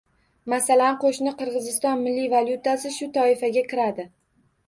Masalan, qo'shni Qirg'iziston milliy valyutasi shu toifaga kiradi